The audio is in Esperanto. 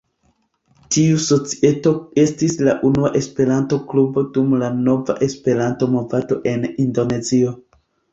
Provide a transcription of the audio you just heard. Tiu societo estis la unua Esperanto-klubo dum la nova Esperanto-movado en Indonezio.